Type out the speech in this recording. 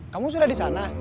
kamu sudah disana